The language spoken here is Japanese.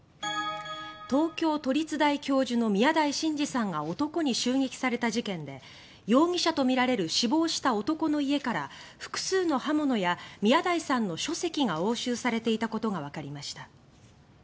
東京都立大教授の宮台真司さんが男に襲撃された事件で容疑者とみられる死亡した男の家から複数の刃物や宮台さんの書籍が押収されていたことがわかりました。